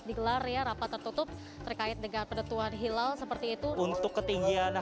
digelar ya rapat tertutup terkait dengan penentuan hilal seperti itu untuk ketinggian